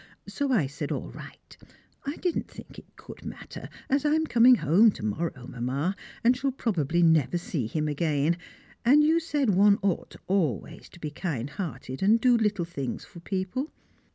So I said "all right;" I did not think it could matter, as I am coming home to morrow, Mamma, and shall probably never see him again, and you said one ought always to be kind hearted and do little things for people.